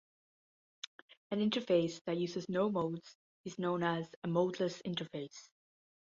An interface that uses no modes is known as a modeless interface.